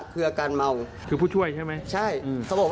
ครับ